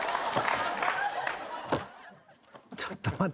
ちょっと待って。